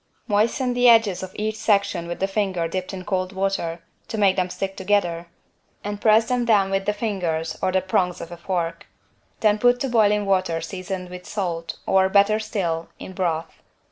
Moisten the edges of each section with the finger dipped in cold water, to make them stick together, and press them down with the fingers or the prongs of a fork. Then put to boil in water seasoned with salt or, better still, in broth.